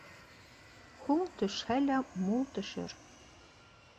Һуң төшһә лә, мул төшөр.